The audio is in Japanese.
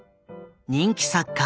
人気作家